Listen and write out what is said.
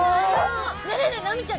ねえねえ直美ちゃん。